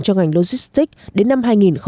cho ngành logistic đến năm hai nghìn hai mươi năm